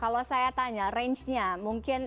kalau saya tanya rangenya mungkin